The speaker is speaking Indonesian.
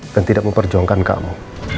dan tidak memperjuangkan kamu